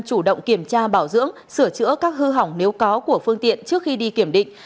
chủ động kiểm tra bảo dưỡng sửa chữa các hư hỏng nếu có của phương tiện trước khi đi kiểm định